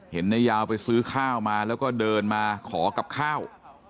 เห็นนายยาวไปซื้อข้าวมาแล้วก็เดินมาขอกับข้าว